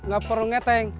gak perlu ngeteng